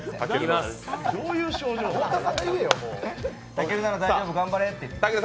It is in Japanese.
たけるなら大丈夫頑張れって言ってる。